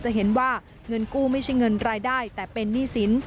จะเห็นว่าเงินกู้ไม่ใช่เงินรายได้แต่เป็นหนี้สิน